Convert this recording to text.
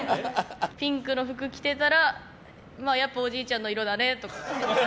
ピンクの服着てたらやっぱおじいちゃんの色だねとか。